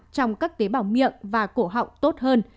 trong các tế bào miệng và cổ họng tốt hơn